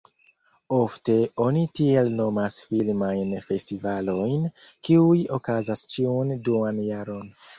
Ofte oni tiel nomas filmajn festivalojn, kiuj okazas ĉiun duan jaron.